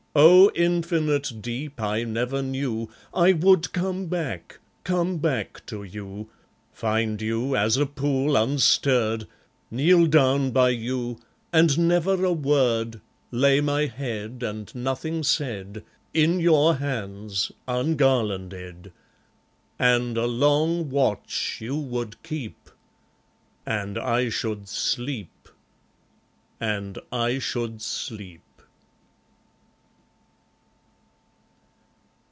O infinite deep I never knew, I would come back, come back to you, Find you, as a pool unstirred, Kneel down by you, and never a word, Lay my head, and nothing said, In your hands, ungarlanded; And a long watch you would keep; And I should sleep, and I should sleep!